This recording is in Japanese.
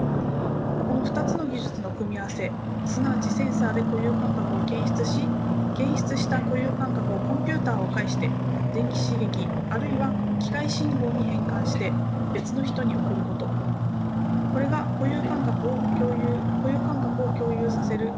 この２つの技術の組み合わせすなわちセンサーで固有感覚を検出し検出した固有感覚をコンピューターを介して電気刺激あるいは機械信号に変換して別の人に送ることこれが固有感覚を共有させる手法となります。